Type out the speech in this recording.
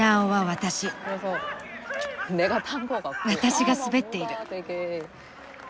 私が滑っている。